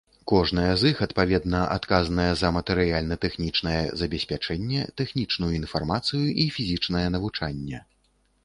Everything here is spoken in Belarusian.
Кожная з іх адпаведна адказная за матэрыяльна-тэхнічнае забеспячэнне, тэхнічную інфармацыю і фізічнае навучанне.